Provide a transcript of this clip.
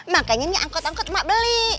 makanya ini angkot angkot mak beli